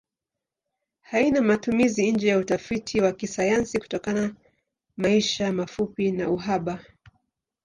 Haina matumizi nje ya utafiti wa kisayansi kutokana maisha mafupi na uhaba.